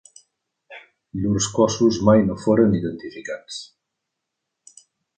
Llurs cossos mai no foren identificats.